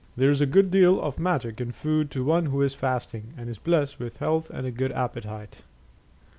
There's a good deal of magic in food to one who is fasting, and is blessed with health and a good appetite.